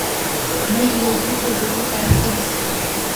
Mais il est vite réveillé par un policier.